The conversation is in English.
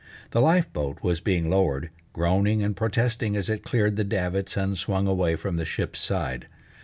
The life boat was being lowered, groaning and protesting as it cleared the davits and swung away from the ship's side.